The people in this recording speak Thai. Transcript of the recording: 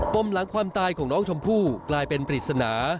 มหลังความตายของน้องชมพู่กลายเป็นปริศนา